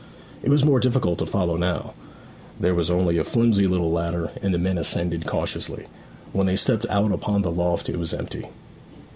It was more difficult to follow now; there was only a flimsy little ladder, and the men ascended cautiously. When they stepped out upon the loft it was empty.